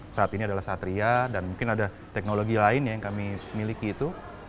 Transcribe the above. saat ini adalah satria dan mungkin ada teknologi lain yang kami miliki itu